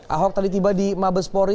ahok tadi tiba di mabespori